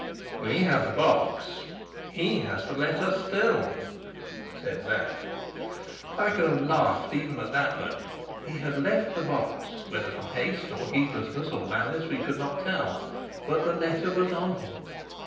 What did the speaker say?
"We have the box, he has the letter still," said Sapt. I could have laughed even at that moment. He had left the box (whether from haste or heedlessness or malice, we could not tell), but the letter was on him.